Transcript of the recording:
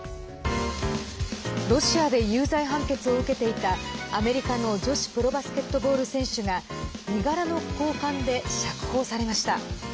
ロシアで有罪判決を受けていたアメリカの女子プロバスケットボール選手が身柄の交換で釈放されました。